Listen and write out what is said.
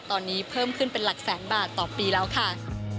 ตอนนี้เพิ่มขึ้นเป็นหลักแสนบาทต่อปีแล้วค่ะ